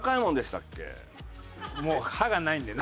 もう歯がないんでね。